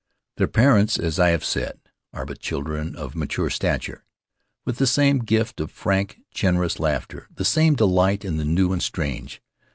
Their parents, as I have said, are but children of mature stature, with the same gift of frank, generous laughter, the same delight in the new and strange.